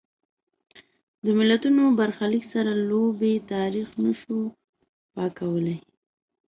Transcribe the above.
د ملتونو برخلیک سره لوبې تاریخ نه شو پاکولای.